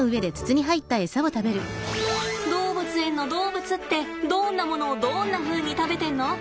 動物園の動物ってどんなものをどんなふうに食べてんの？